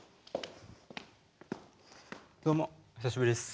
どうも久しぶりっす。